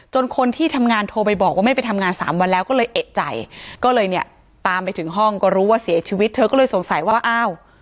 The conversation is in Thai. คนที่ทำงานโทรไปบอกว่าไม่ไปทำงานสามวันแล้วก็เลยเอกใจก็เลยเนี่ยตามไปถึงห้องก็รู้ว่าเสียชีวิตเธอก็เลยสงสัยว่าอ้าว